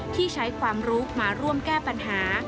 ที่ใช้ความรู้มาร่วมแก้ปัญหา